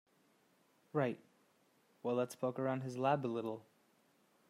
Right, well let's poke around his lab a little.